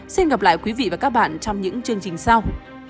xin hẹn gặp lại quý vị và các bạn trong những chương trình sau